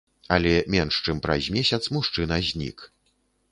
Але менш чым праз месяц мужчына знік.